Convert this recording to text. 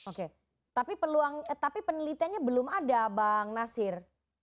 oke tapi penelitiannya belum ada bang nasir